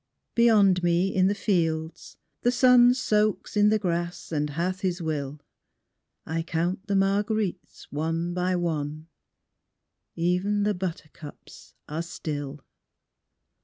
Beyond me in the fields the sun Soaks in the grass and hath his will; I count the marguerites one by one; Even the buttercups are still.